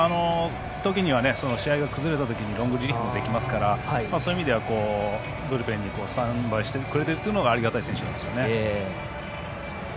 試合が崩れたときにロングリリーフもできますからブルペンにスタンバイしてくれているのがありがたい選手ですね。